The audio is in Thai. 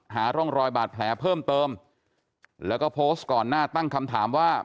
หาร่องรอยบาดแผลเพิ่มเติมแล้วก็โพสต์ก่อนหน้าตั้งคำถามว่า